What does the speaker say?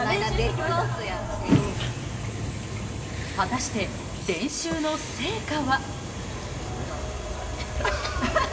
果たして、練習の成果は。